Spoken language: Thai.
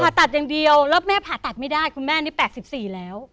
ตัดอย่างเดียวแล้วแม่ผ่าตัดไม่ได้คุณแม่นี่๘๔แล้ว